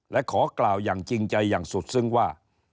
และขอกล่าวอย่างจริงใจอย่างสุดซึ้งว่า